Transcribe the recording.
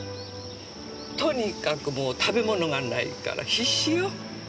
とにかくもう食べ物がないから必死よ。